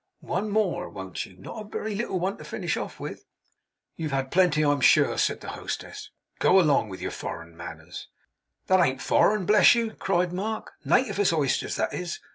One more! Won't you? Not a very little one to finish off with?' 'You have had plenty, I am sure,' said the hostess. 'Go along with your foreign manners!' 'That ain't foreign, bless you!' cried Mark. 'Native as oysters, that is!